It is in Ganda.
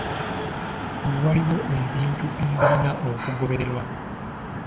Waliwo ebintu ebirina okugobererwa.